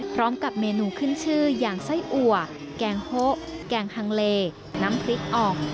พร้อมกับเมนูขึ้นชื่ออย่างไส้อัวแกงโฮแกงฮังเลน้ำพริกอ่อง